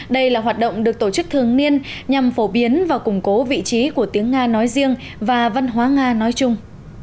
đây là hoạt động được tổ chức thường niên nhằm phổ biến và củng cố vị trí của tiếng nga nói riêng và văn hóa nga nói chung